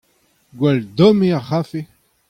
gwall domm eo ar c'hafe.